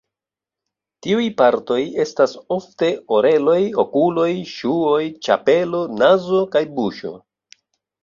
Tiuj partoj estas ofte oreloj, okuloj, ŝuoj, ĉapelo, nazo kaj buŝo.